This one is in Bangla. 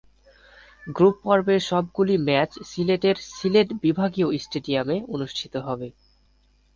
গ্রুপ পর্বের সবগুলি ম্যাচ সিলেটের সিলেট বিভাগীয় স্টেডিয়ামে অনুষ্ঠিত হবে।